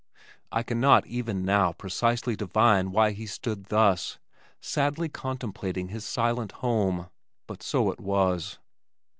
I cannot, even now, precisely divine why he stood thus, sadly contemplating his silent home, but so it was.